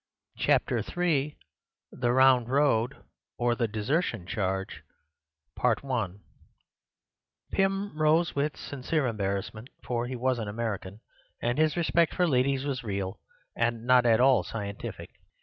Chapter III The Round Road; or, the Desertion Charge Pym rose with sincere embarrassment; for he was an American, and his respect for ladies was real, and not at all scientific.